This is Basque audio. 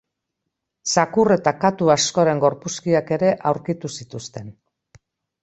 Zakur eta katu askoren gorpuzkiak ere aurkitu zituzten.